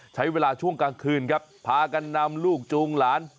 ใช้เวลาช่วงกลางคืนครับพากันนำลูกจูงหลาน